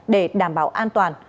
để đảm bảo an toàn